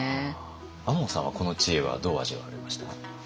亞門さんはこの知恵はどう味わわれました？